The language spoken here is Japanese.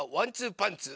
パンツー！」